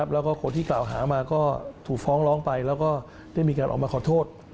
แล้วก็คนที่กล่าวหามาก็ถูกฟ้องร้องไปแล้วก็ได้มีการออกมาขอโทษ